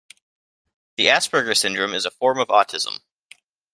The Asperger syndrome is a form of autism.